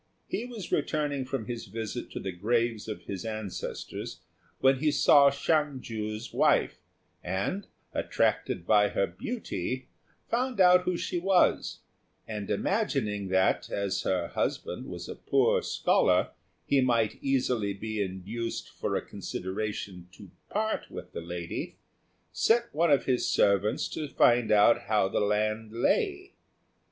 He was returning from his visit to the graves of his ancestors when he saw Hsiang ju's wife, and, attracted by her beauty, found out who she was; and imagining that, as her husband was a poor scholar, he might easily be induced for a consideration to part with the lady, sent one of his servants to find out how the land lay.